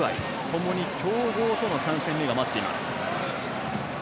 ともに強豪との３戦目が待っています。